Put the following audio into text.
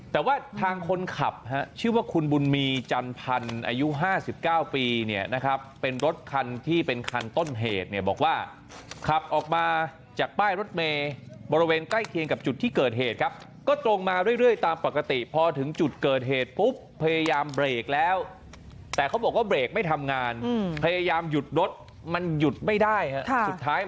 แต่ว่าทางคนขับฮะชื่อว่าคุณบุญมีจันพันธ์อายุ๕๙ปีเนี่ยนะครับเป็นรถคันที่เป็นคันต้นเหตุเนี่ยบอกว่าขับออกมาจากป้ายรถเมย์บริเวณใกล้เคียงกับจุดที่เกิดเหตุครับก็ตรงมาเรื่อยตามปกติพอถึงจุดเกิดเหตุปุ๊บพยายามเบรกแล้วแต่เขาบอกว่าเบรกไม่ทำงานพยายามหยุดรถมันหยุดไม่ได้ฮะสุดท้าย